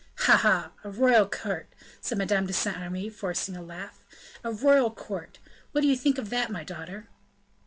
"Ha, ha! a royal court," said Madame de Saint Remy, forcing a laugh; "a royal court! What do you think of that, my daughter?"